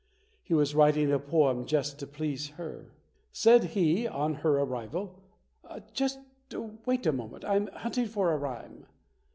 He was writing a poem just to please her. Said he on her arrival, "Just wait a moment, I'm hunting for a rhyme".